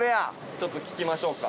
ちょっと聞きましょうか。